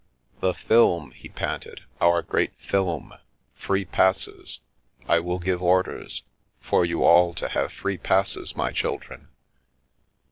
" The film !" he panted, " our great film ! Free passes — I will give orders — for you all to have free passes, my children